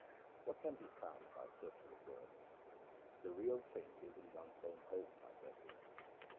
What can be found by searching abroad ? the Real Thing is in one's own home, my brethren.